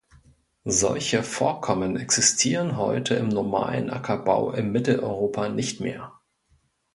Solche Vorkommen existieren heute im normalen Ackerbau in Mitteleuropa nicht mehr.